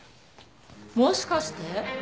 もしかして？